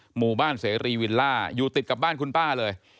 หมู่บ้านเสรีวิลล่าอยู่ติดกับบ้านคุณป้าเลย